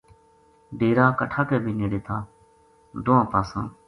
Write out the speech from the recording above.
ڈیرا کَٹھا کے بے نیڑے تھا دوہاں پاساں